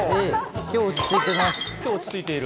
きょう落ち着いている。